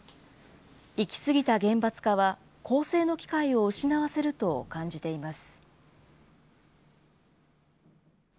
行き過ぎた厳罰化は、更生の機会を失わせると感じています。